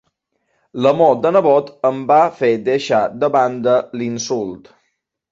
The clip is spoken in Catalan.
L'amor de nebot em va fer deixar de banda l'insult.